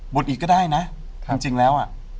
อีกก็ได้นะจริงแล้วอ่ะ